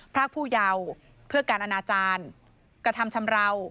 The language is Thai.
รากผู้เยาว์เพื่อการอนาจารย์กระทำชำราว